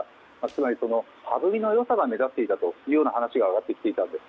つまり羽振りの良さが目立っていたという話が上がってきました。